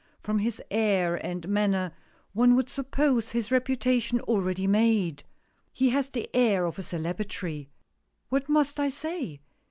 From his air and manner one would suppose his reputation already made. He has the air of a celebrity. What must I say?